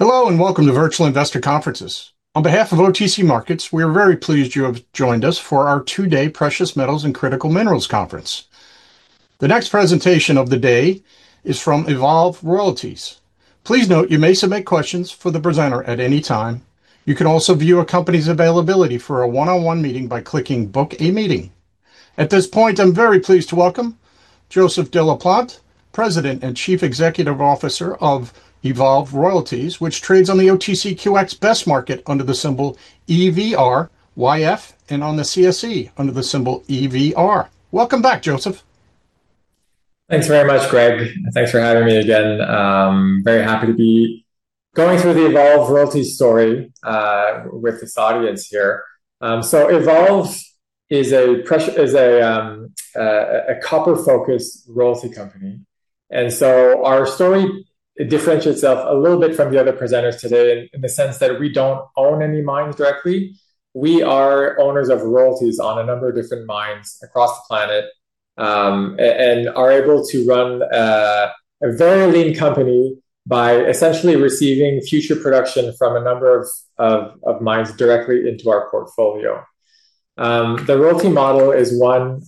Hello, welcome to Virtual Investor Conferences. On behalf of OTC Markets, we are very pleased you have joined us for our two-day Precious Metals and Critical Minerals Conference. The next presentation of the day is from Evolve Royalties. Please note you may submit questions for the presenter at any time. You can also view a company's availability for a one-on-one meeting by clicking Book a Meeting. At this point, I'm very pleased to welcome Joseph de la Plante, President and Chief Executive Officer of Evolve Royalties, which trades on the OTCQX Best Market under the symbol EVRYF, and on the CSE under the symbol EVR. Welcome back, Joseph. Thanks very much, Greg. Thanks for having me again. Very happy to be going through the Evolve Royalties story with this audience here. Evolve is a copper-focused royalty company. Our story, it differentiates itself a little bit from the other presenters today in the sense that we don't own any mines directly. We are owners of royalties on a number of different mines across the planet, are able to run a very lean company by essentially receiving future production from a number of mines directly into our portfolio. The royalty model is one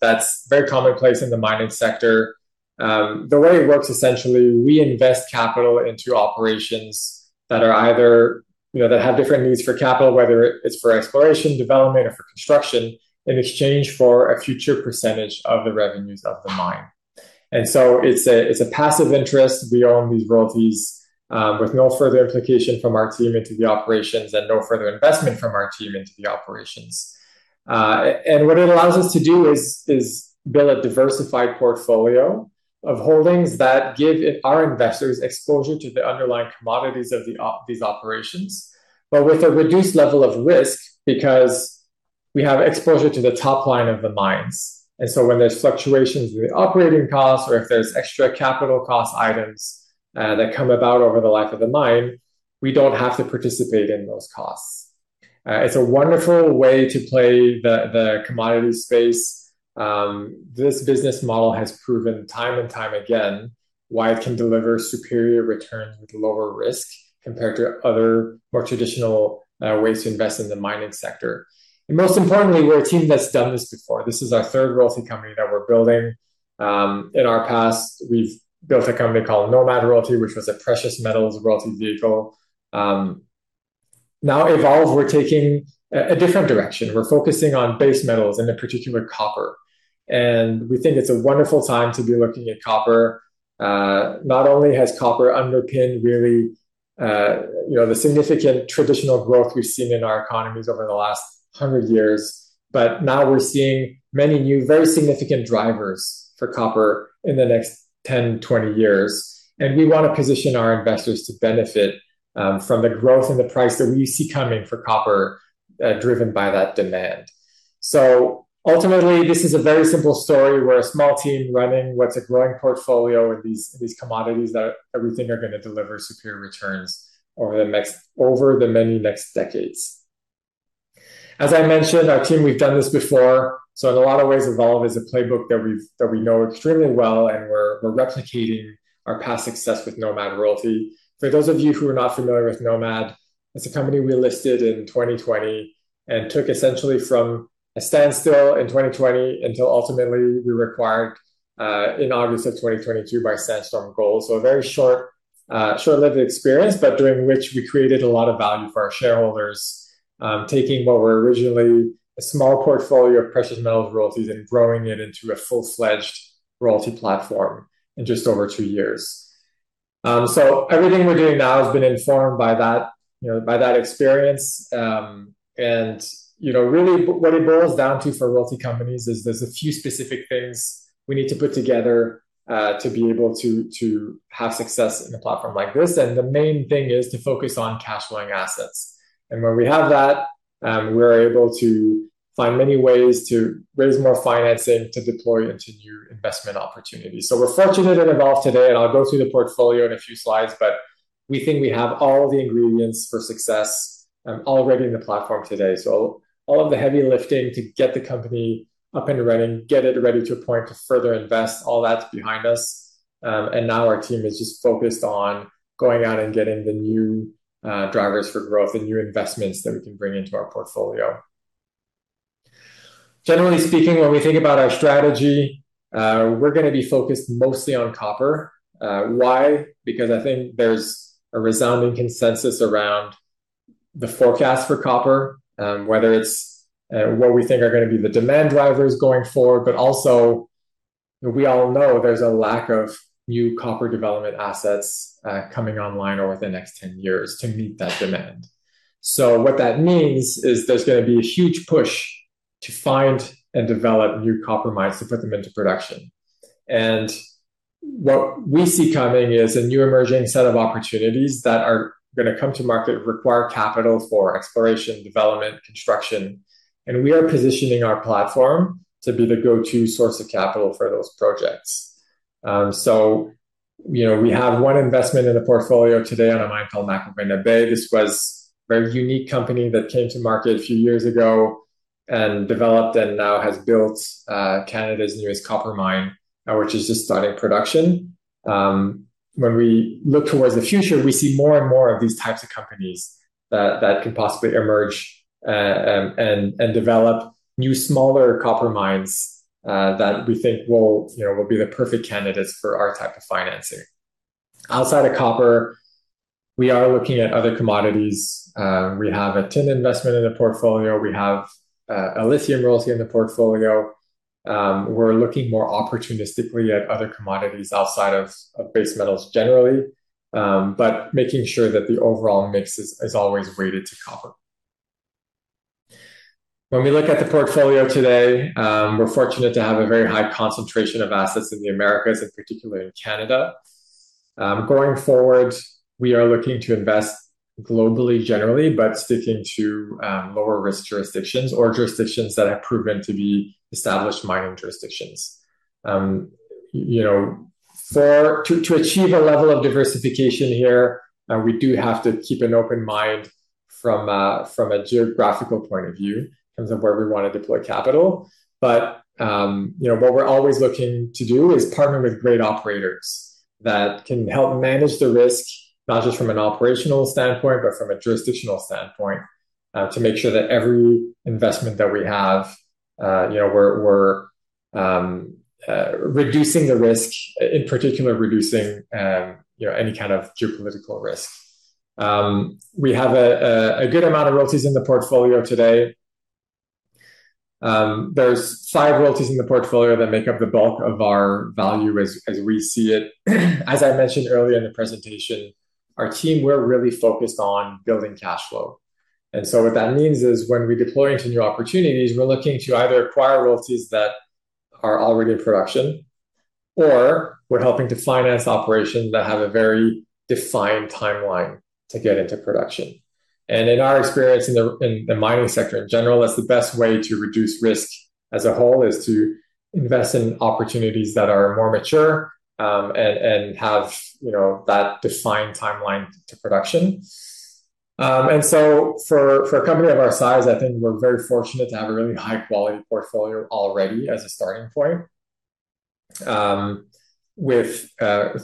that's very commonplace in the mining sector. The way it works, essentially, we invest capital into operations that have different needs for capital, whether it's for exploration, development, or for construction, in exchange for a future percentage of the revenues of the mine. It's a passive interest. We own these royalties with no further implication from our team into the operations and no further investment from our team into the operations. What it allows us to do is build a diversified portfolio of holdings that give our investors exposure to the underlying commodities of these operations, but with a reduced level of risk because we have exposure to the top line of the mines. When there's fluctuations in the operating costs or if there's extra capital cost items that come about over the life of the mine, we don't have to participate in those costs. It's a wonderful way to play the commodity space. This business model has proven time and time again why it can deliver superior returns with lower risk compared to other more traditional ways to invest in the mining sector. Most importantly, we're a team that's done this before. This is our third royalty company that we're building. In our past, we've built a company called Nomad Royalty, which was a precious metals royalty vehicle. Evolve, we're taking a different direction. We're focusing on base metals, in particular copper. We think it's a wonderful time to be looking at copper. Not only has copper underpinned really the significant traditional growth we've seen in our economies over the last 100 years, but now we're seeing many new very significant drivers for copper in the next 10, 20 years. We want to position our investors to benefit from the growth and the price that we see coming for copper, driven by that demand. Ultimately, this is a very simple story. We're a small team running what's a growing portfolio with these commodities that eventually are going to deliver superior returns over the many next decades. As I mentioned, our team, we've done this before. In a lot of ways, Evolve is a playbook that we know extremely well, and we're replicating our past success with Nomad Royalty. For those of you who are not familiar with Nomad, it's a company we listed in 2020 and took essentially from a standstill in 2020 until ultimately we were acquired in August of 2022 by Sandstorm Gold. A very short-lived experience, but during which we created a lot of value for our shareholders, taking what were originally a small portfolio of precious metals royalties and growing it into a full-fledged royalty platform in just over two years. Everything we're doing now has been informed by that experience. Really what it boils down to for royalty companies is there's a few specific things we need to put together, to be able to have success in a platform like this. The main thing is to focus on cash flowing assets. When we have that, we're able to find many ways to raise more financing to deploy into new investment opportunities. We're fortunate in Evolve today, and I'll go through the portfolio in a few slides, but we think we have all the ingredients for success already in the platform today. All of the heavy lifting to get the company up and running, get it ready to a point to further invest, all that's behind us. Now our team is just focused on going out and getting the new drivers for growth and new investments that we can bring into our portfolio. Generally speaking, when we think about our strategy, we're going to be focused mostly on copper. Why? Because I think there's a resounding consensus around the forecast for copper, whether it's what we think are going to be the demand drivers going forward, but also we all know there's a lack of new copper development assets coming online over the next 10 years to meet that demand. What that means is there's going to be a huge push to find and develop new copper mines to put them into production. What we see coming is a new emerging set of opportunities that are going to come to market, require capital for exploration, development, construction, and we are positioning our platform to be the go-to source of capital for those projects. We have one investment in the portfolio today on a mine called McIlvenna Bay. This was a very unique company that came to market a few years ago and developed and now has built Canada's newest copper mine, which has just started production. When we look towards the future, we see more and more of these types of companies that could possibly emerge and develop new, smaller copper mines, that we think will be the perfect candidates for our type of financing. Outside of copper, we are looking at other commodities. We have a tin investment in the portfolio. We have a lithium royalty in the portfolio. We're looking more opportunistically at other commodities outside of base metals generally, but making sure that the overall mix is always weighted to copper. When we look at the portfolio today, we're fortunate to have a very high concentration of assets in the Americas, in particular in Canada. Going forward, we are looking to invest globally generally, sticking to lower-risk jurisdictions or jurisdictions that have proven to be established mining jurisdictions. To achieve a level of diversification here, we do have to keep an open mind from a geographical point of view in terms of where we want to deploy capital. What we're always looking to do is partner with great operators that can help manage the risk, not just from an operational standpoint, but from a jurisdictional standpoint, to make sure that every investment that we have, we're reducing the risk, in particular, reducing any kind of geopolitical risk. We have a good amount of royalties in the portfolio today. There's five royalties in the portfolio that make up the bulk of our value as we see it. As I mentioned earlier in the presentation, our team, we're really focused on building cash flow. What that means is when we deploy into new opportunities, we're looking to either acquire royalties that are already in production, or we're helping to finance operations that have a very defined timeline to get into production. In our experience in the mining sector in general, that's the best way to reduce risk as a whole, is to invest in opportunities that are more mature, and have that defined timeline to production. For a company of our size, I think we're very fortunate to have a really high-quality portfolio already as a starting point. With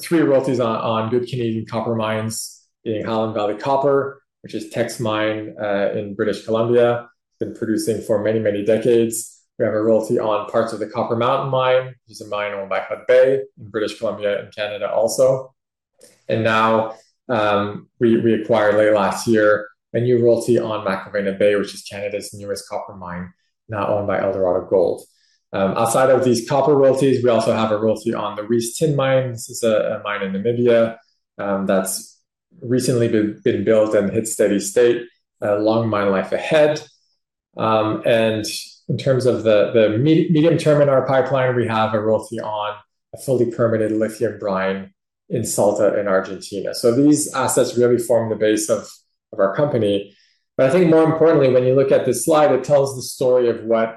three royalties on good Canadian copper mines, being Highland Valley Copper, which is Teck's mine in British Columbia. It's been producing for many, many decades. We have a royalty on parts of the Copper Mountain Mine, which is a mine owned by Hudbay in British Columbia and Canada also. Now, we acquired late last year a new royalty on McIlvenna Bay, which is Canada's newest copper mine, now owned by Eldorado Gold. Outside of these copper royalties, we also have a royalty on the Uis Tin Mine. This is a mine in Namibia, that's recently been built and hit steady state, a long mine life ahead. In terms of the medium-term in our pipeline, we have a royalty on a fully permitted lithium brine in Salta in Argentina. These assets really form the base of our company. I think more importantly, when you look at this slide, it tells the story of what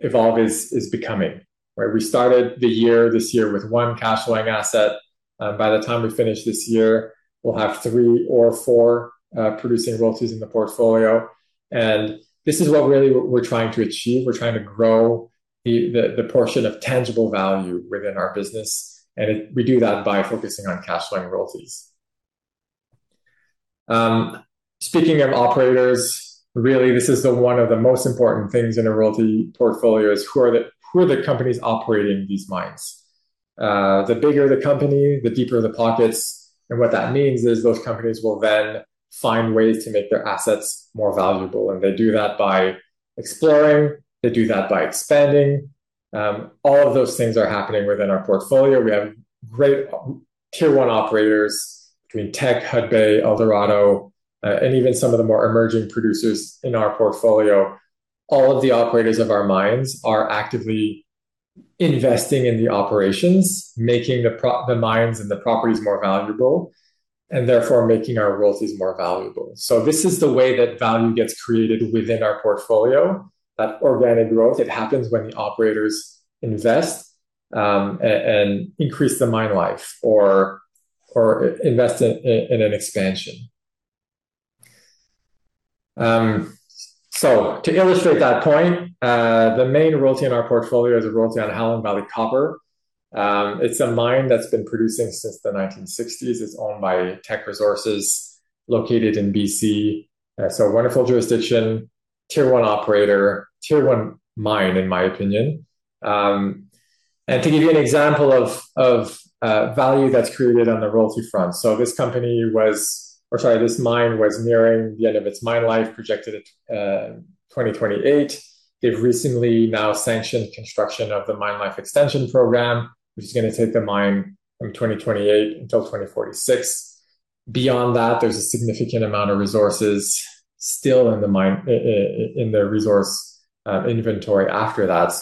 Evolve is becoming, right? We started the year, this year, with one cash flowing asset. By the time we finish this year, we'll have three or four producing royalties in the portfolio. This is what really what we're trying to achieve. We're trying to grow the portion of tangible value within our business. We do that by focusing on cash flowing royalties. Speaking of operators, really, this is one of the most important things in a royalty portfolio, is who are the companies operating these mines? The bigger the company, the deeper the pockets. What that means is those companies will then find ways to make their assets more valuable. They do that by exploring, they do that by expanding. All of those things are happening within our portfolio. We have great Tier 1 operators between Teck, Hudbay, Eldorado, and even some of the more emerging producers in our portfolio. All of the operators of our mines are actively investing in the operations, making the mines and the properties more valuable, and therefore making our royalties more valuable. This is the way that value gets created within our portfolio, that organic growth. It happens when the operators invest, and increase the mine life or invest in an expansion. To illustrate that point, the main royalty in our portfolio is a royalty on Highland Valley Copper. It's a mine that's been producing since the 1960s. It's owned by Teck Resources, located in BC. A wonderful jurisdiction, Tier 1 operator, Tier 1 mine, in my opinion. To give you an example of value that's created on the royalty front. This mine was nearing the end of its mine life, projected at 2028. They've recently now sanctioned construction of the mine life extension program, which is going to take the mine from 2028 until 2046. Beyond that, there's a significant amount of resources still in the resource inventory after that.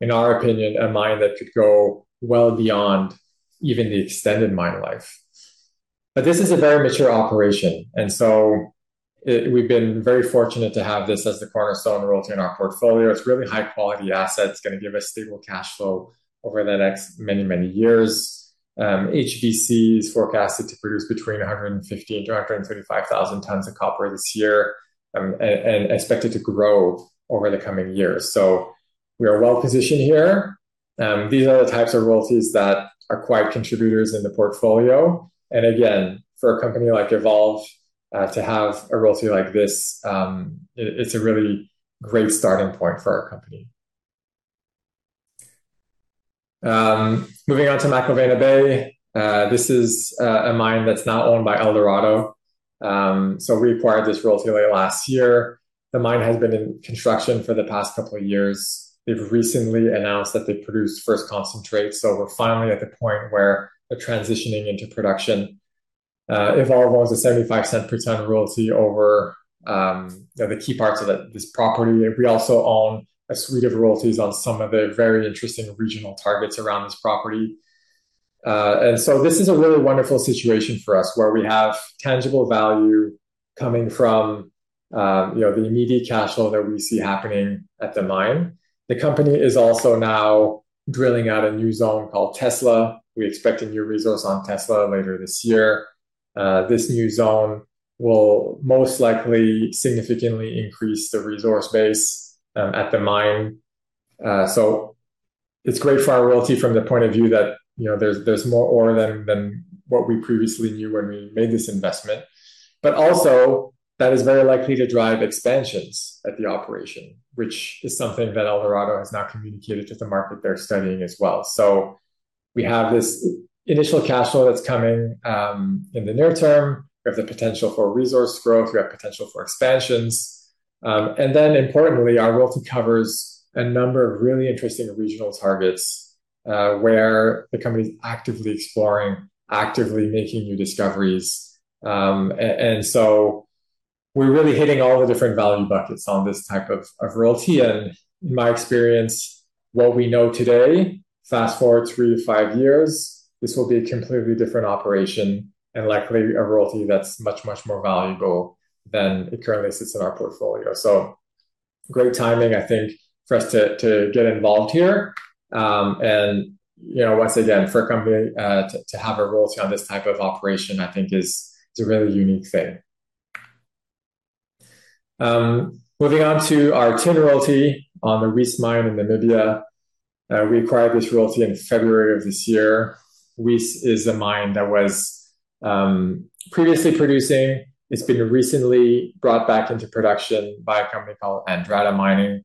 In our opinion, a mine that could go well beyond even the extended mine life. This is a very mature operation, we've been very fortunate to have this as the cornerstone royalty in our portfolio. It's a really high-quality asset. It's going to give us stable cash flow over the next many, many years. HVC is forecasted to produce between 150,000 and 135,000 tons of copper this year, and expected to grow over the coming years. We are well-positioned here. These are the types of royalties that are quiet contributors in the portfolio. Again, for a company like Evolve, to have a royalty like this, it's a really great starting point for our company. Moving on to McIlvenna Bay. This is a mine that's now owned by Eldorado. We acquired this royalty late last year. The mine has been in construction for the past couple of years. They've recently announced that they produced first concentrate, we're finally at the point where they're transitioning into production. Evolve owns a 75% royalty over the key parts of this property. We also own a suite of royalties on some of the very interesting regional targets around this property. This is a really wonderful situation for us, where we have tangible value coming from the immediate cash flow that we see happening at the mine. The company is also now drilling out a new zone called Tesla. We expect a new resource on Tesla later this year. This new zone will most likely significantly increase the resource base at the mine. It's great for our royalty from the point of view that there's more ore than what we previously knew when we made this investment. Also, that is very likely to drive expansions at the operation, which is something that Eldorado has now communicated to the market they're studying as well. We have this initial cash flow that's coming in the near term. We have the potential for resource growth. We have potential for expansions. Importantly, our royalty covers a number of really interesting regional targets, where the company's actively exploring, actively making new discoveries. We're really hitting all the different value buckets on this type of royalty. In my experience, what we know today, fast-forward three to five years, this will be a completely different operation, and likely a royalty that's much, much more valuable than it currently sits in our portfolio. Great timing, I think, for us to get involved here. Once again, for a company to have a royalty on this type of operation, I think is a really unique thing. Moving on to our tin royalty on the Uis mine in Namibia. We acquired this royalty in February of this year. Uis is a mine that was previously producing. It's been recently brought back into production by a company called Andrada Mining.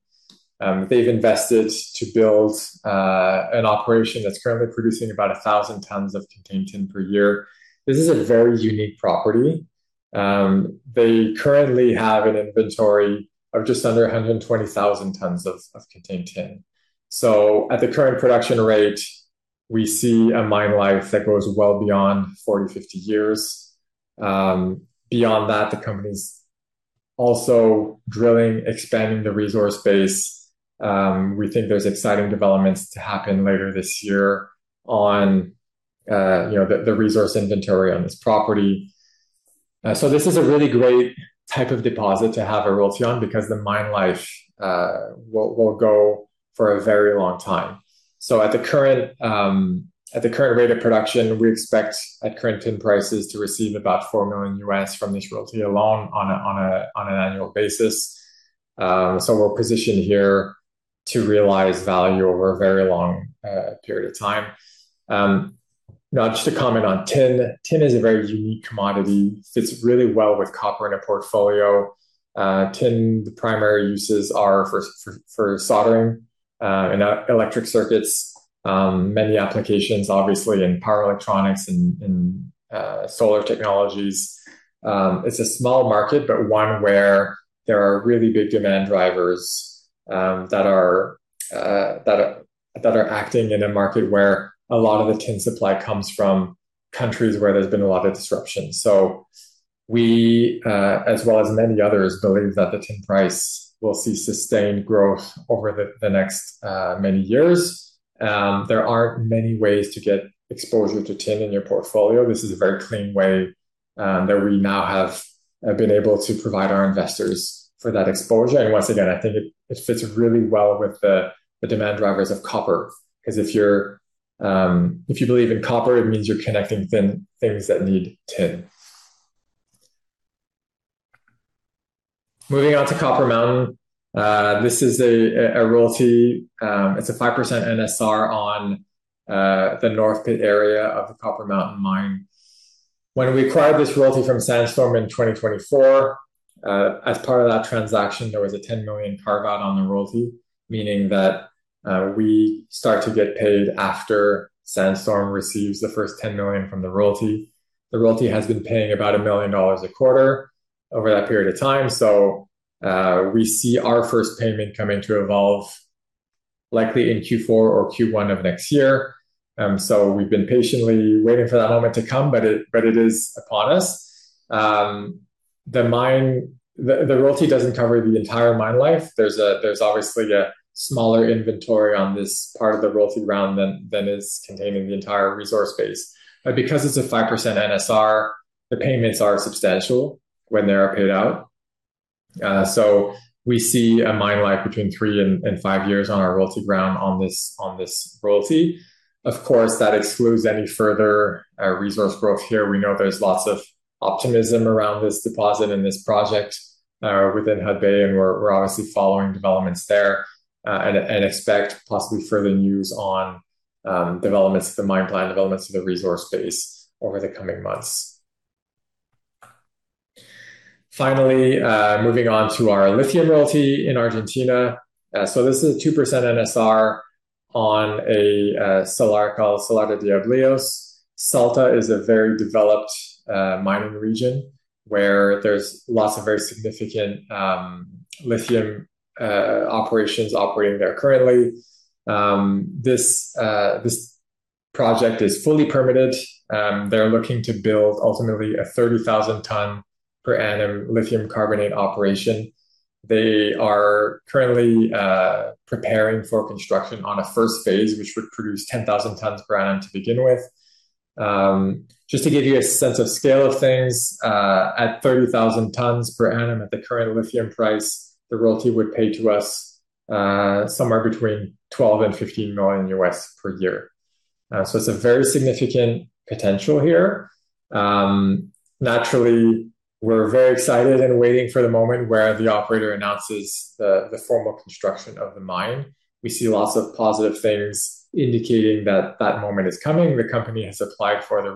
They've invested to build an operation that's currently producing about 1,000 tons of contained tin per year. This is a very unique property. They currently have an inventory of just under 120,000 tons of contained tin. At the current production rate, we see a mine life that goes well beyond 40, 50 years. Beyond that, the company's also drilling, expanding the resource base. We think there's exciting developments to happen later this year on the resource inventory on this property. This is a really great type of deposit to have a royalty on because the mine life will go for a very long time. At the current rate of production, we expect, at current tin prices, to receive about 4 million from this royalty alone on an annual basis. We're positioned here to realize value over a very long period of time. Now, just to comment on tin. Tin is a very unique commodity, fits really well with copper in a portfolio. Tin, the primary uses are for soldering in electric circuits. Many applications, obviously, in power electronics and solar technologies. It's a small market, but one where there are really big demand drivers that are acting in a market where a lot of the tin supply comes from countries where there's been a lot of disruption. We, as well as many others, believe that the tin price will see sustained growth over the next many years. There aren't many ways to get exposure to tin in your portfolio. This is a very clean way that we now have been able to provide our investors for that exposure. Once again, I think it fits really well with the demand drivers of copper. If you believe in copper, it means you're connecting things that need tin. Moving on to Copper Mountain. This is a royalty. It's a 5% NSR on the North Pit area of the Copper Mountain Mine. When we acquired this royalty from Sandstorm in 2024, as part of that transaction, there was a 10 million carve-out on the royalty, meaning that we start to get paid after Sandstorm receives the first 10 million from the royalty. The royalty has been paying about 1 million dollars a quarter over that period of time. We see our first payment come in to Evolve likely in Q4 or Q1 of next year. We've been patiently waiting for that moment to come, but it is upon us. The royalty doesn't cover the entire mine life. There's obviously a smaller inventory on this part of the royalty round than is contained in the entire resource base. Because it's a 5% NSR, the payments are substantial when they are paid out. We see a mine life between three and five years on our royalty ground on this royalty. Of course, that excludes any further resource growth here. We know there's lots of optimism around this deposit and this project within Hudbay, and we're obviously following developments there, and expect possibly further news on developments of the mine plan, developments of the resource base over the coming months. Finally, moving on to our lithium royalty in Argentina. This is a 2% NSR on a salar called Salar de Diablillos. Salta is a very developed mining region where there's lots of very significant lithium operations operating there currently. This project is fully permitted. They're looking to build ultimately a 30,000 ton per annum lithium carbonate operation. They are currently preparing for construction on a phase I, which would produce 10,000 tons per annum to begin with. Just to give you a sense of scale of things, at 30,000 tons per annum at the current lithium price, the royalty would pay to us somewhere between $12 million-$15 million per year. It's a very significant potential here. Naturally, we're very excited and waiting for the moment where the operator announces the formal construction of the mine. We see lots of positive things indicating that that moment is coming. The company has applied for the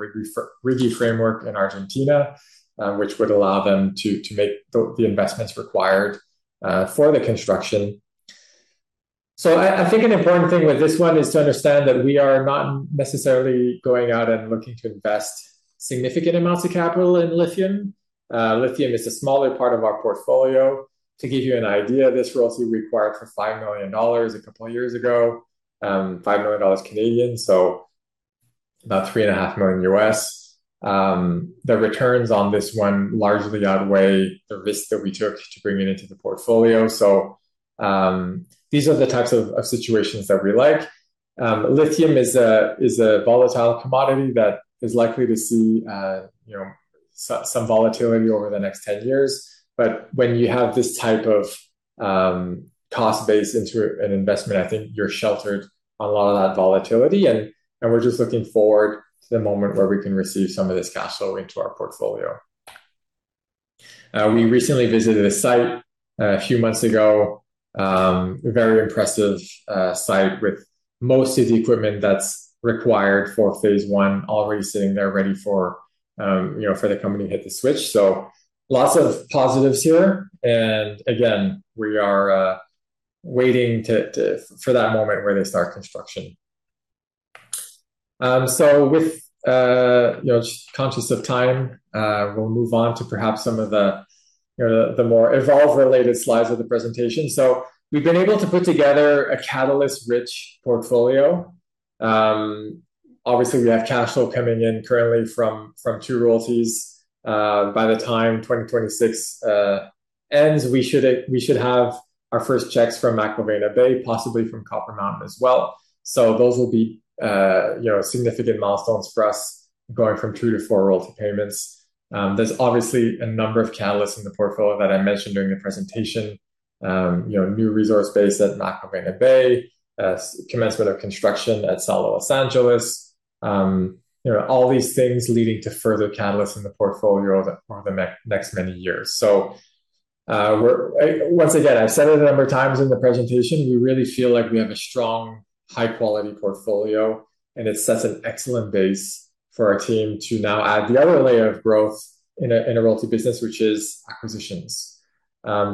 RIGI framework in Argentina, which would allow them to make the investments required for the construction. I think an important thing with this one is to understand that we are not necessarily going out and looking to invest significant amounts of capital in lithium. Lithium is a smaller part of our portfolio. To give you an idea, this royalty we acquired for 5 million dollars a couple of years ago, 5 million Canadian dollars Canadian, so about $3.5 million. The returns on this one largely outweigh the risk that we took to bring it into the portfolio. These are the types of situations that we like. Lithium is a volatile commodity that is likely to see some volatility over the next 10 years. When you have this type of cost base into an investment, I think you're sheltered on a lot of that volatility, and we're just looking forward to the moment where we can receive some of this cash flow into our portfolio. We recently visited a site a few months ago. Very impressive site with most of the equipment that's required for phase 1 already sitting there ready for the company to hit the switch. Lots of positives here. Again, we are waiting for that moment where they start construction. Conscious of time, we'll move on to perhaps some of the more Evolve-related slides of the presentation. We've been able to put together a catalyst-rich portfolio. Obviously, we have cash flow coming in currently from two royalties. By the time 2026 ends, we should have our first checks from McIlvenna Bay, possibly from Copper Mountain as well. Those will be significant milestones for us, going from two to four royalty payments. There's obviously a number of catalysts in the portfolio that I mentioned during the presentation. New resource base at McIlvenna Bay, commencement of construction at Sal de los Angeles. All these things leading to further catalysts in the portfolio over the next many years. Once again, I've said it a number of times in the presentation, we really feel like we have a strong, high-quality portfolio, and it sets an excellent base for our team to now add the other layer of growth in a royalty business, which is acquisitions. On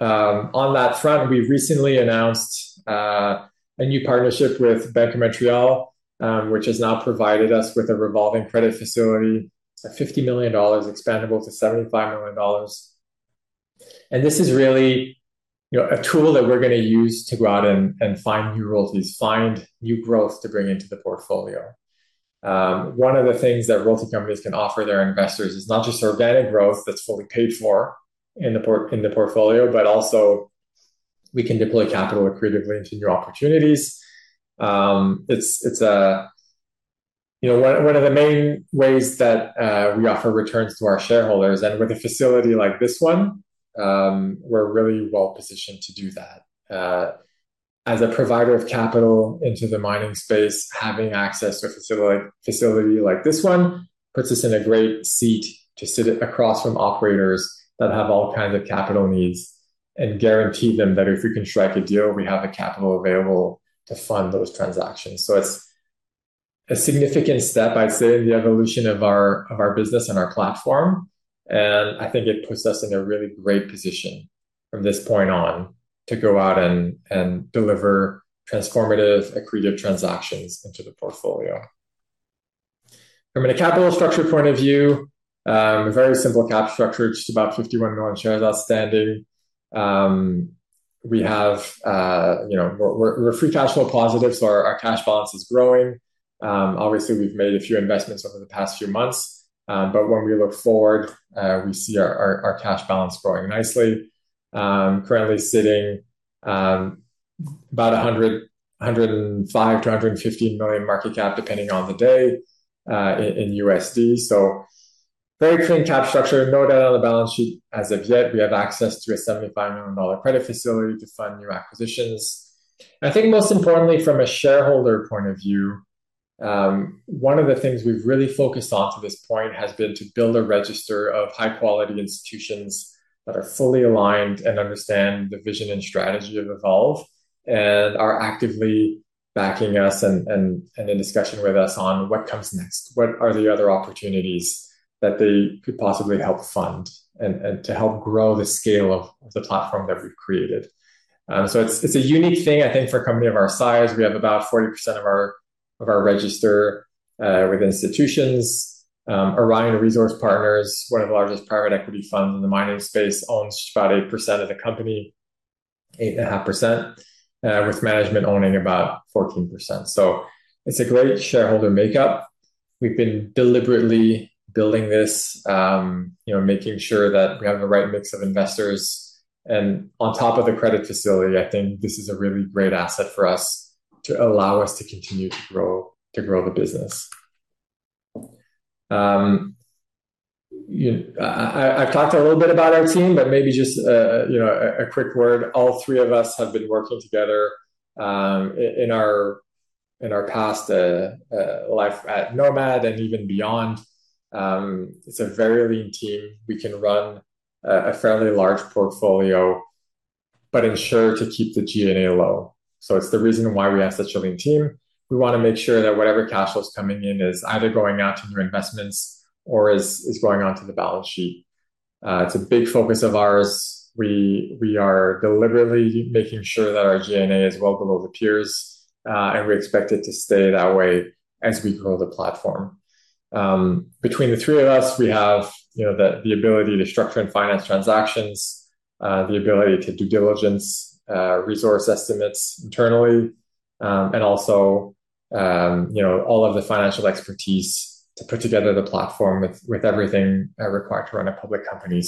that front, we've recently announced a new partnership with Bank of Montreal, which has now provided us with a revolving credit facility. It's at 50 million dollars, expandable to 75 million dollars. This is really a tool that we're going to use to go out and find new royalties, find new growth to bring into the portfolio. One of the things that royalty companies can offer their investors is not just organic growth that's fully paid for in the portfolio, but also we can deploy capital accretively into new opportunities. It's one of the main ways that we offer returns to our shareholders. With a facility like this one, we're really well-positioned to do that. As a provider of capital into the mining space, having access to a facility like this one puts us in a great seat to sit across from operators that have all kinds of capital needs and guarantee them that if we can strike a deal, we have the capital available to fund those transactions. It's a significant step, I'd say, in the evolution of our business and our platform, and I think it puts us in a really great position from this point on to go out and deliver transformative accretive transactions into the portfolio. From a capital structure point of view, a very simple cap structure, just about 51 million shares outstanding. We're free cash flow positive, our cash balance is growing. Obviously, we've made a few investments over the past few months. When we look forward, we see our cash balance growing nicely. Currently sitting about $105 million-$150 million market cap, depending on the day in USD. Very clean cap structure, no debt on the balance sheet as of yet. We have access to a 75 million dollar credit facility to fund new acquisitions. I think most importantly from a shareholder point of view, one of the things we've really focused on to this point has been to build a register of high-quality institutions that are fully aligned and understand the vision and strategy of Evolve and are actively backing us and in discussion with us on what comes next, what are the other opportunities that they could possibly help fund and to help grow the scale of the platform that we've created. It's a unique thing, I think, for a company of our size. We have about 40% of our register, with institutions. Orion Resource Partners, one of the largest private equity funds in the mining space, owns about 8% of the company, 8.5%, with management owning about 14%. It's a great shareholder makeup. We've been deliberately building this, making sure that we have the right mix of investors. I think this is a really great asset for us to allow us to continue to grow the business. I've talked a little bit about our team, but maybe just a quick word. All three of us have been working together in our past life at Nomad and even beyond. It's a very lean team. We can run a fairly large portfolio, but ensure to keep the G&A low. It's the reason why we have such a lean team. We want to make sure that whatever cash flow's coming in is either going out to new investments or is going onto the balance sheet. It's a big focus of ours. We are deliberately making sure that our G&A is well below the peers. We expect it to stay that way as we grow the platform. Between the three of us, we have the ability to structure and finance transactions, the ability to do diligence, resource estimates internally, and also all of the financial expertise to put together the platform with everything required to run a public company.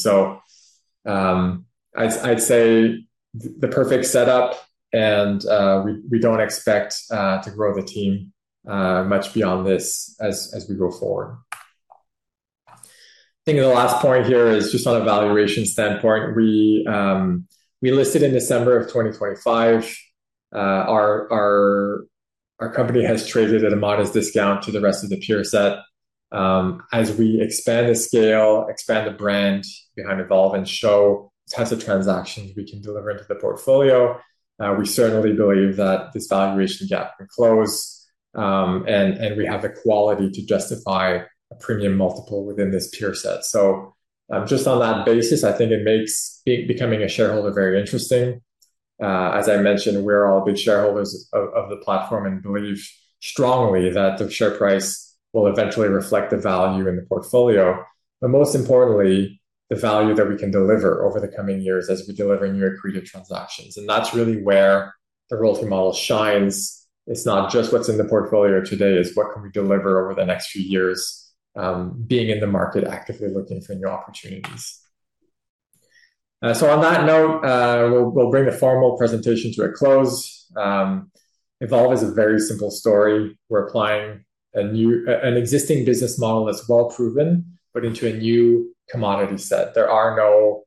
I'd say the perfect setup and we don't expect to grow the team much beyond this as we go forward. I think the last point here is just on a valuation standpoint. We listed in December of 2025. Our company has traded at a modest discount to the rest of the peer set. As we expand the scale, expand the brand behind Evolve, and show the types of transactions we can deliver into the portfolio, we certainly believe that this valuation gap can close, and we have the quality to justify a premium multiple within this peer set. Just on that basis, I think it makes becoming a shareholder very interesting. As I mentioned, we're all big shareholders of the platform and believe strongly that the share price will eventually reflect the value in the portfolio. Most importantly, the value that we can deliver over the coming years as we deliver new accretive transactions, and that's really where the royalty model shines. It's not just what's in the portfolio today, it's what can we deliver over the next few years, being in the market, actively looking for new opportunities. On that note, we'll bring the formal presentation to a close. Evolve is a very simple story. We're applying an existing business model that's well-proven, but into a new commodity set. There are no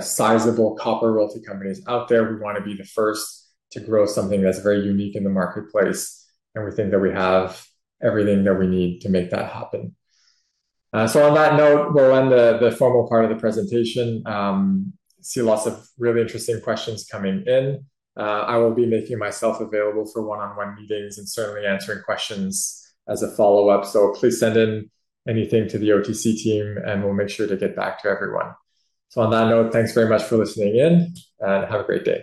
sizable copper royalty companies out there. We want to be the first to grow something that's very unique in the marketplace, and we think that we have everything that we need to make that happen. On that note, we'll end the formal part of the presentation. I see lots of really interesting questions coming in. I will be making myself available for one-on-one meetings and certainly answering questions as a follow-up. Please send in anything to the OTC team, and we'll make sure to get back to everyone. On that note, thanks very much for listening in, and have a great day.